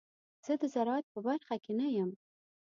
زه د زراعت په برخه کې نه یم.